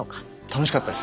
楽しかった？